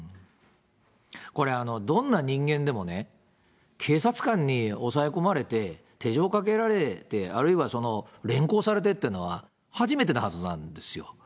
これ、どんな人間でもね、警察官に押さえ込まれて、手錠かけられて、あるいは連行されてっていうのは、初めてなはずなんですよ。